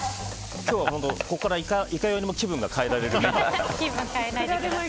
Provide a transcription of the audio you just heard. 今日は本当にいかようにも気分が変えられるので。